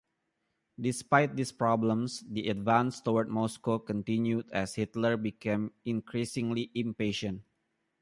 Despite these problems, the advance toward Moscow continued as Hitler became increasingly impatient.